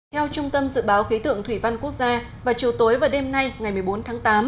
theo trung tâm dự báo khí tượng thủy văn quốc gia vào chiều tối và đêm nay ngày một mươi bốn tháng tám